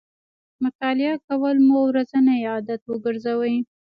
مطالعه کول مو ورځنی عادت وګرځوئ